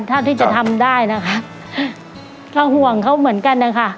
เท่าที่จะทำได้นะคะก็ห่วงเขาเหมือนกันนะคะ